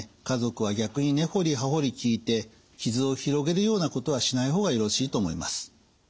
家族は逆に根掘り葉掘り聞いて傷を広げるようなことはしない方がよろしいと思います。